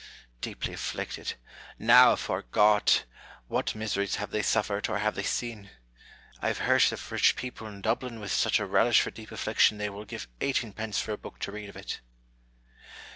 Deeply afflicted ! Now, afore God ! what miseries have they suf fered, or have they seen ? I have heard of rich people in Dublin with such a relish for deep affliction they will give eighteenpence for a book to read of it."